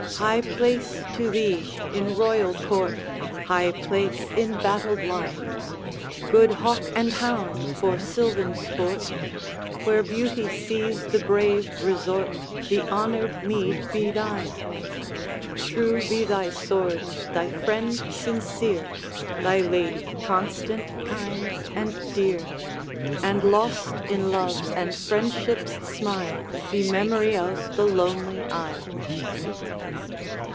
'High place to thee in royal court, High place in battled line, Good hawk and hound for sylvan sport! Where beauty sees the brave resort, The honored meed be thine! True be thy sword, thy friend sincere, Thy lady constant, kind, and dear, And lost in love's and friendship's smile Be memory of the lonely isle!